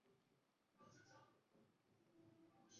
此处同时收录蒙古人民共和国时期的国家元首。